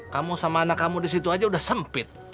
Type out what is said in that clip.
kamu sama anak kamu di situ aja udah sempit